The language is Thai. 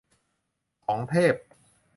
ของเทพ